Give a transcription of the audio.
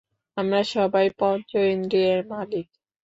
আমরা সবাই পঞ্চ ইন্দ্রিয়ের মালিক।